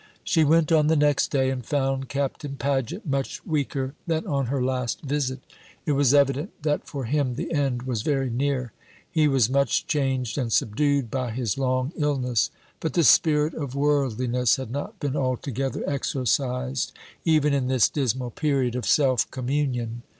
She went on the next day, and found Captain Paget much weaker than on her last visit. It was evident that for him the end was very near. He was much changed and subdued by his long illness; but the spirit of worldliness had not been altogether exorcised even in this dismal period of self communion.